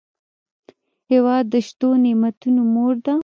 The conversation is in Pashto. هېواد د شتو نعمتونو مور ده.